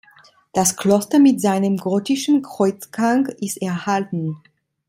Das Kloster mit seinem gotischen Kreuzgang ist erhalten.